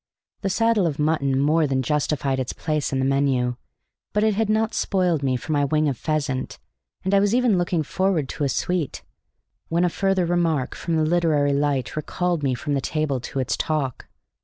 The saddle of mutton more than justified its place in the menu; but it had not spoiled me for my wing of pheasant, and I was even looking forward to a sweet, when a further remark from the literary light recalled me from the table to its talk.